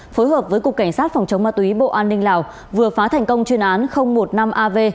phối hợp với cục cảnh sát phòng chống ma túy bộ an ninh lào vừa phá thành công chuyên án một mươi năm av